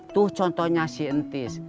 tuh contohnya si entis